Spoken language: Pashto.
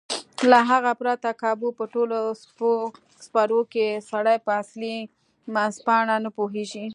له هغه پرته کابو په ټولو څپرکو کې سړی په اصلي منځپانګه نه پوهېږي.